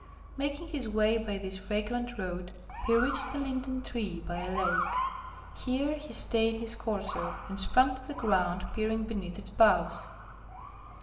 Making his way by this fragrant road, he reached a linden tree by a lake. Here he stayed his courser, and sprang to the ground, peering beneath its boughs.